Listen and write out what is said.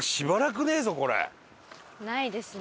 ないですね。